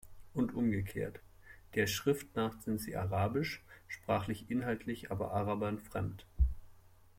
Und umgekehrt: der Schrift nach sind sie arabisch, sprachlich-inhaltlich aber Arabern fremd.